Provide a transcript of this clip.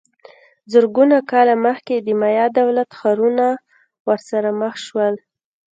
زرګونه کاله مخکې د مایا دولت ښارونه ورسره مخ سول